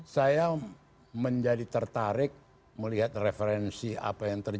saya menjadi tertarik melihat referensi apa yang terjadi